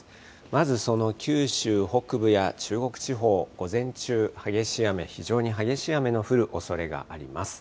まずその九州北部や中国地方、午前中、激しい雨、非常に激しい雨の降るおそれがあります。